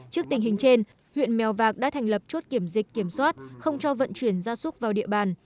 trước tình hình trên huyện mèo vạc đã thành lập chốt kiểm dịch kiểm soát không cho vận chuyển gia súc vào địa bàn